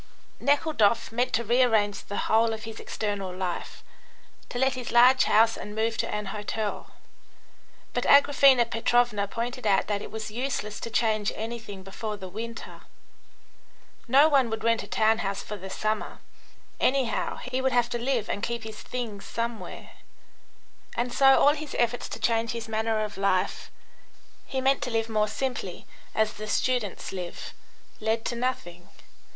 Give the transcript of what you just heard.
Nekhludoff meant to rearrange the whole of his external life, to let his large house and move to an hotel, but Agraphena Petrovna pointed out that it was useless to change anything before the winter. No one would rent a town house for the summer; anyhow, he would have to live and keep his things somewhere. And so all his efforts to change his manner of life (he meant to live more simply: as the students live) led to nothing.